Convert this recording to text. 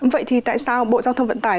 vậy thì tại sao bộ giao thông vận tải